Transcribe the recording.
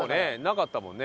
なかったもんね。